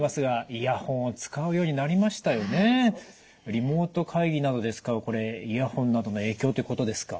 リモート会議などで使うこれイヤホンなどの影響っていうことですか。